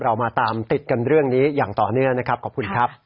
เรามาตามติดกันเรื่องนี้อย่างต่อนี้นะครับ